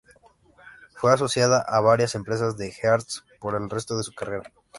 Fue asociada a varias empresas de Hearst por el resto de su carrera.